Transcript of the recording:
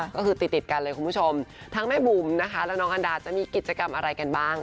ก็คือติดติดกันเลยคุณผู้ชมทั้งแม่บุ๋มนะคะแล้วน้องอันดาจะมีกิจกรรมอะไรกันบ้าง